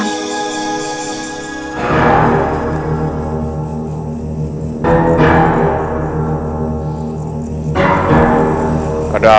aku sudah menemukan papa gerahang